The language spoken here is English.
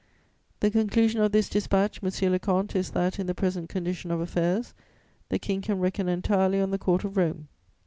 "The conclusion of this dispatch, monsieur le comte, is that, in the present condition of affairs, the King can reckon entirely on the Court of Rome.